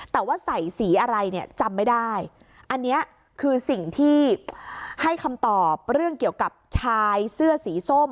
แต่ว่าใส่สีอะไรเนี่ยจำไม่ได้อันนี้คือสิ่งที่ให้คำตอบเรื่องเกี่ยวกับชายเสื้อสีส้ม